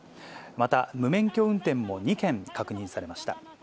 また、無免許運転も２件確認されました。